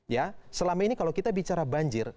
ya selama ini kalau kita bicara banjir